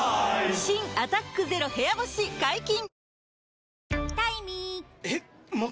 新「アタックＺＥＲＯ部屋干し」解禁‼